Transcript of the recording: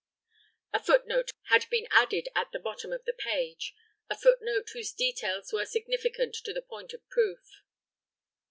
A foot note had been added at the bottom of the page, a foot note whose details were significant to the point of proof.